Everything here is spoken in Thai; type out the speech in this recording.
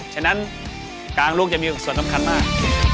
ฉะนั้นกางลูกจะมีส่วนสำคัญมาก